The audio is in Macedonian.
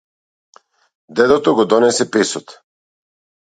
Дедото го донесе песот.